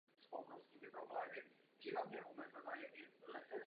Naproti tomu mají tyto jednotky velkou přenosovou rychlost.